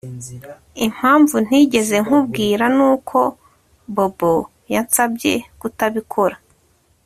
Impamvu ntigeze nkubwira nuko Bobo yansabye kutabikora